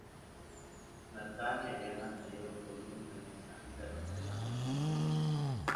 Nathan y Ariana salieron por unos meses antes de romper la relación en diciembre.